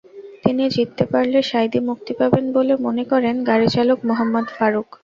তিনি জিততে পারলে সাঈদী মুক্তি পাবেন বলে মনে করেন গাড়িচালক মোহাম্মদ ফারুক।